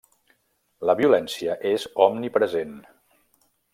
La violència és omnipresent.